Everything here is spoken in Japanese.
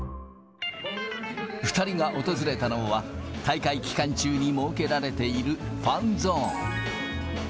２人が訪れたのは、大会期間中に設けられている、ファンゾーン。